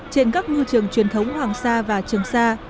trên các ngư trường truyền thống hoàng sa và trường sa